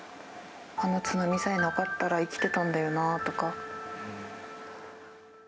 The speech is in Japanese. あの津波さえなかったら、生きてたんだよなとか。